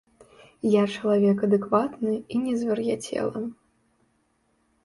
Я чалавек адэкватны і не звар'яцела!